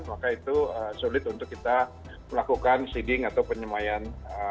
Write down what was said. maka itu sulit untuk kita melakukan seeding atau penyemayan